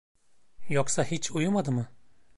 Yoksa hiç uyumadı mı?